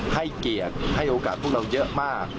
ให้เกียรติให้โอกาสพวกเราเยอะมาก